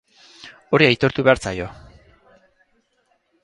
Hori aitortu behar zaio.